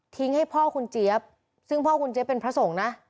ทิ้งให้พ่อคุณเจ๊บซึ่งพ่อคุณเจ๊เป็นพระสงค์นะ